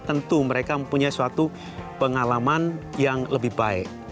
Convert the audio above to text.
tentu mereka mempunyai suatu pengalaman yang lebih baik